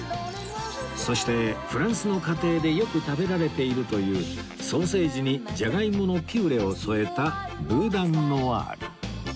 そしてフランスの家庭でよく食べられているというソーセージにジャガイモのピューレを添えたブーダン・ノワール